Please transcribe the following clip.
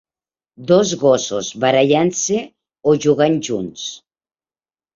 Dos gossos barallant-se o jugant junts.